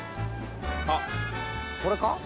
あっこれか？